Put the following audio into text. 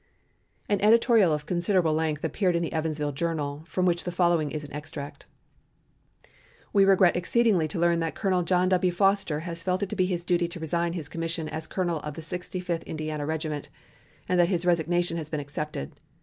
An editorial of considerable length appeared in the "Evansville Journal," from which the following is an extract: We regret exceedingly to learn that Colonel John W. Foster has felt it to be his duty to resign his commission as colonel of the Sixty fifth Indiana Regiment, and that his resignation has been accepted.